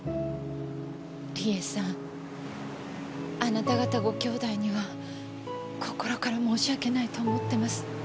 理恵さんあなた方ご姉弟には心から申し訳ないと思ってます。